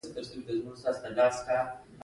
د خدای یاد او ذکر زړونو ته سکون او رڼا ورکوي.